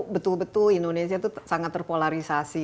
betul betul indonesia itu sangat terpolarisasi